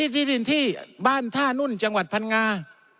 ที่ดินที่บ้านท่านุ่นจังหวัดพังงา